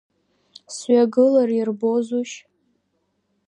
Сҩагылар ирбозушь?